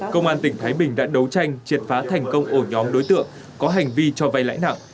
công an tỉnh thái bình đã đấu tranh triệt phá thành công ổ nhóm đối tượng có hành vi cho vay lãi nặng